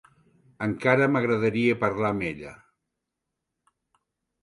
Encara m'agradaria parlar amb ella.